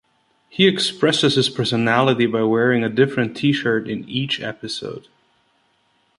He expresses his personality by wearing a different T-shirt in each episode.